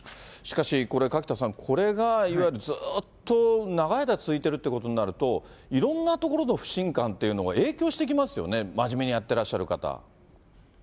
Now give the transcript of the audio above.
しかしこれ、垣田さん、これがいわゆるずーっと長い間、続いているということになると、いろんなところの不信感っていうのが影響してきますよね、そうですね。